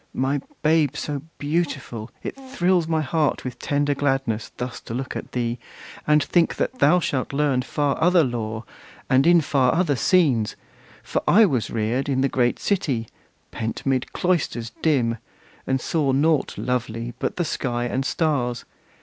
My babe so beautiful! it thrills my heart With tender gladness, thus to look at thee, And think that thou shalt learn far other lore, And in far other scenes! For I was reared In the great city, pent 'mid cloisters dim, And saw nought lovely but the sky and stars.